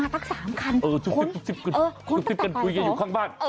มาตั้ง๓คันคนตั้ง๑๐กันใช่ไหม